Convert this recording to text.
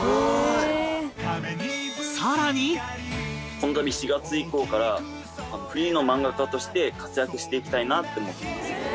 このたび４月以降からフリーの漫画家として活躍していきたいなって思ってます。